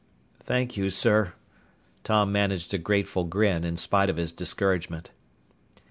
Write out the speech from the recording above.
"Thank you, sir." Tom managed a grateful grin, in spite of his discouragement.